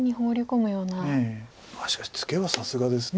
しかしツケはさすがです。